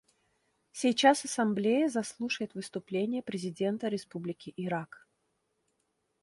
Сейчас Ассамблея заслушает выступление президента Республики Ирак.